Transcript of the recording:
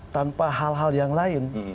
tanpa hal hal yang lain